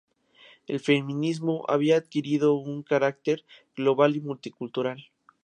El feminismo había adquirido un carácter global y multicultural.